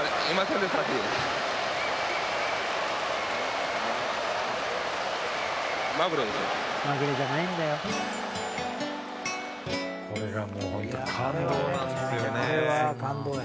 藤田：これが、もう本当、感動なんですよね。